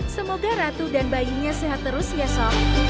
semoga ratu dan bayinya sehat terus yesok